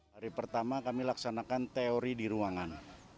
hari pertama kami laksanakan teori di ruangan